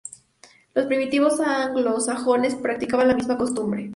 Los primitivos anglosajones practicaban la misma costumbre.